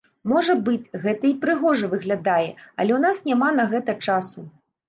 Можа быць, гэта і прыгожа выглядае, але ў нас няма на гэта часу.